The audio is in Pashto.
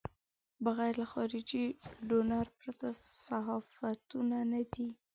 بغیر له خارجي ډونر پرته صحافتونه نه دي.